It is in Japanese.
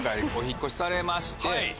されまして。